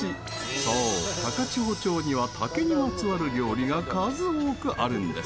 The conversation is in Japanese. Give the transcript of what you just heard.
そう、高千穂町には竹にまつわる料理が数多くあるんです。